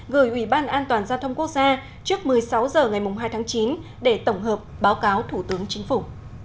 gửi ủy ban an toàn giao thông quốc gia trước một mươi sáu h ngày hai tháng chín để tổng hợp báo cáo thủ tướng chính phủ